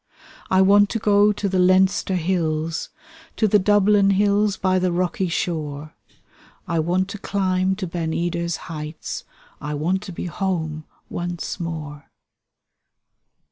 I want to go to the Leinster hills. To the Dublin hills by the rocky shore. I want to climb to Ben Edar's heights — I want to be home once more.